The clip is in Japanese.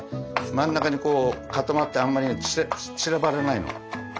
真ん中にこう固まってあまり散らばらないの。